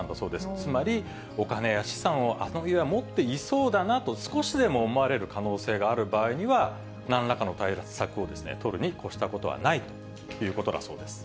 つまり、お金や資産をあの家は持っていそうだなと少しでも思われる可能性がある場合にはなんらかの対策を取るにこしたことはないということだそうです。